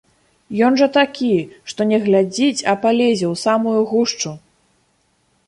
Ён жа такі, што не глядзіць, а палезе ў самую гушчу.